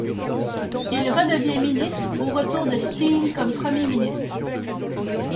Il redevient Ministre au retour de Steen comme Premier Ministre.